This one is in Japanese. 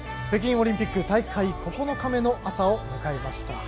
北京オリンピック大会９日目の朝を迎えました。